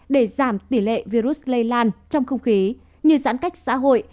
để giảm tỷ lệ virus lây lan trong không khí như giãn cách xã hội